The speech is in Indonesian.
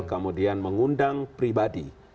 kemudian mengundang pribadi